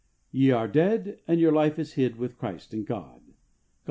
"Ye are dead, and your life is hid with Christ in God" (Col.